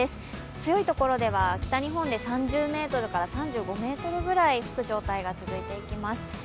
強いところでは、北日本で３０メートルから３５メートルぐらい吹く状況が続きます。